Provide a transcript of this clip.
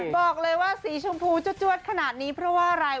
บอกเลยว่าสีชมพูจวดขนาดนี้เพราะว่าอะไร